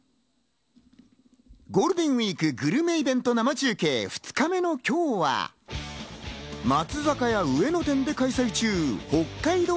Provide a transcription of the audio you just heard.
ゴールデンウイーク、グルメイベント生中継２日目の今日は松坂屋上野店で開催中、北海道